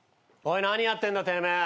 おい何やってんだてめえ。